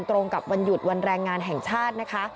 ตรงกับวันหยุดวันแรงงานแห่งชาตินะคะ